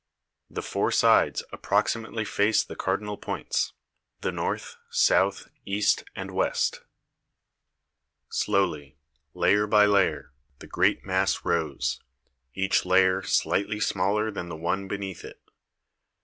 The four sides approximately face the cardinal points, the north, south, east, and west. 12 THE SEVEN WONDERS Slowly, layer by layer, the great mass rose, each layer slightly smaller than the one beneath it.